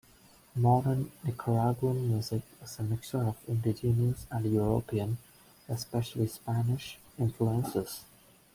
Modern Nicaraguan music is a mixture of indigenous and European, especially Spanish, influences.